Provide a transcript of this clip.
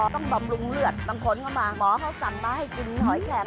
บำรุงเลือดบางคนเข้ามาหมอเขาสั่งมาให้กินหอยแข็ม